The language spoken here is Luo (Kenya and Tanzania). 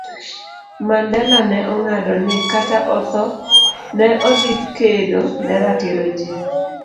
Mandela ne ong'ado ni, kata otho, ne odhi kedo ne ratiro gi